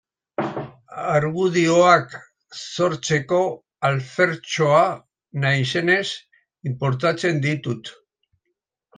Argudioak sortzeko alfertxoa naizenez, inportatzen ditut.